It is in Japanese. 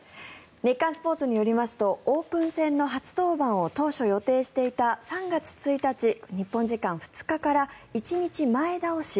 日刊スポーツによりますとオープン戦の初登板を当初予定していた３月１日日本時間２日から１日前倒し